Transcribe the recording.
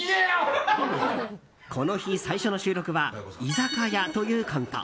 この日、最初の収録は「居酒屋」というコント。